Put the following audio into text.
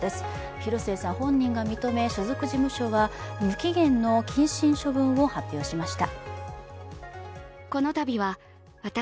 広末さん本人が認め所属事務所は無期限の謹慎処分をとしました。